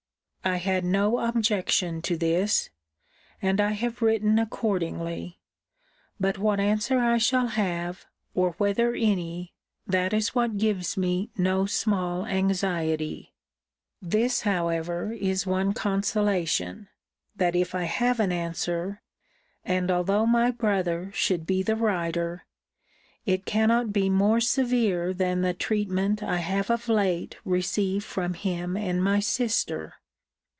I had no objection to this: and I have written accordingly. But what answer I shall have, or whether any, that is what gives me no small anxiety. This, however, is one consolation, that if I have an answer, and although my brother should be the writer, it cannot be more severe than the treatment I have of late received from him and my sister.